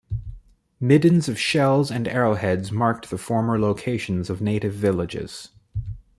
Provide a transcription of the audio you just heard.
Middens of shells and arrowheads marked the former locations of native villages.